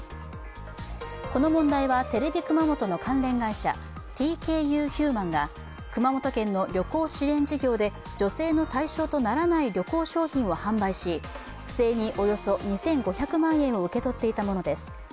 この問題はテレビ熊本の関連会社、ＴＫＵヒューマンが熊本県の旅行支援事業で助成の対象とならない旅行商品を販売し、不正におよそ２５００万円を受け取っていたものです。